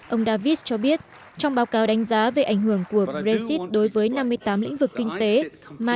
ông davis cho biết trong báo cáo đánh giá về ảnh hưởng của brexit đối với năm mươi tám lĩnh vực kinh tế mà